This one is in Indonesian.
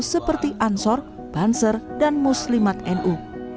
seperti ansor banser dan muslimat nu